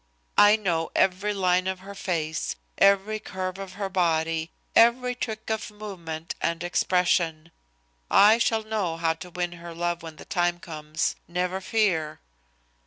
I know every line of her face, every curve of her body, every trick of movement and expression. I shall know how to win her love when the time comes, never fear."